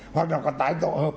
hoặc nó có tái tổ hợp